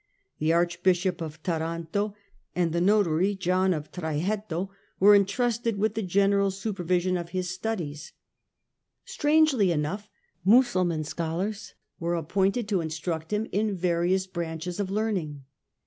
The Archbishop of Taranto and the notary John of Trajetto were entrusted with the general supervision of his studies. THE CHILD OF MOTHER CHURCH 29 Strangely enough, Mussulman scholars were appointed to instruct him in the various branches of learning.